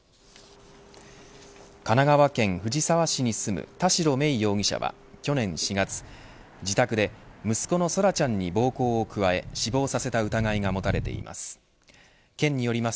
神奈川県藤沢市に住む田代芽衣容疑者は去年４月自宅で息子の空来ちゃんに暴行を加え死亡させた疑いが持たれています。